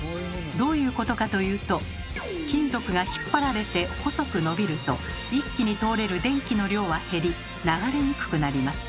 どういうことかというと金属が引っ張られて細く伸びると一気に通れる電気の量は減り流れにくくなります。